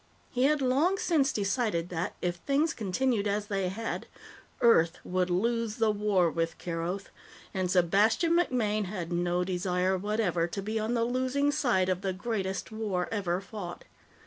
He had long since decided that, if things continued as they had, Earth would lose the war with Keroth, and Sebastian MacMaine had no desire whatever to be on the losing side of the greatest war ever fought.